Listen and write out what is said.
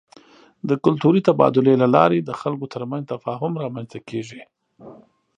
د کلتوري تبادلې له لارې د خلکو ترمنځ تفاهم رامنځته کېږي.